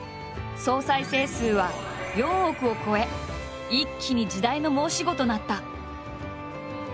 総再生数は４億を超え一気に時代の申し子となった。